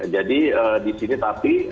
jadi di sini tapi